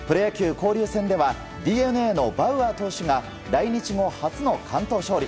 交流戦ではＤｅＮＡのバウアー投手が来日後初の完投勝利。